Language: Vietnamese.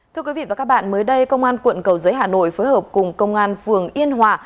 thưa quý vị và các bạn mới đây công an quận cầu giấy hà nội phối hợp cùng công an phường yên hòa